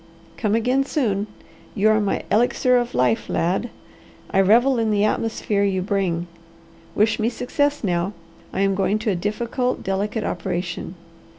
Come again soon! You are my elixir of life, lad! I revel in the atmosphere you bring. Wish me success now, I am going to a difficult, delicate operation."